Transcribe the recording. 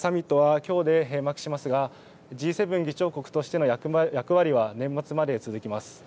また、サミットはきょうで閉幕しますが、Ｇ７議長国としての役割は年末まで続きます。